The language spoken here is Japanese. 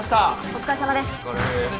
お疲れさまです